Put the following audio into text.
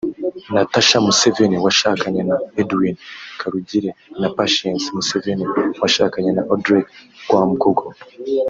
Natasha Museveni washakanye na Edwin Karugire na Patience Museveni washakanye na Odrek Rwabwogo